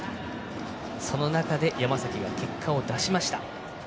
その中で山崎が結果を出しました。